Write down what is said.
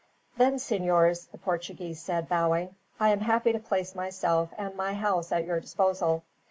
"Then, senors," the Portuguese said, bowing, "I am happy to place myself and my house at your disposal.